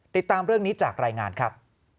ติดตามเรื่องนี้จากรายงานครับ